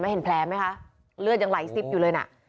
เห็นแผลไหมคะเลือดยังไหลซิบอยู่เลยน่ะ